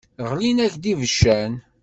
Ɣlin-ak-id ibeccan.